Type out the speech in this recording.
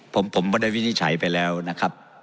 ผมไม่ได้วินิจฉัยไปแล้วนะครับ